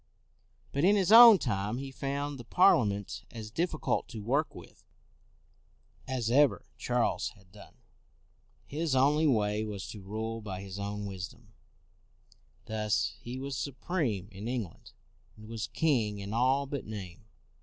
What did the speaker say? CROMWELL 255 But in his own time he found the Parlia ment as difficult to work with as ever Charles had done. His only way was to rule by his own wisdom. Thus he was supreme in England, and was king in all but name.